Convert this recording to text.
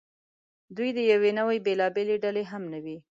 دوی د یوې نوعې بېلابېلې ډلې هم نه وې.